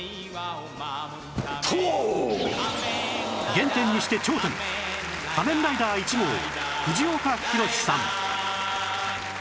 原点にして頂点仮面ライダー１号藤岡弘、さん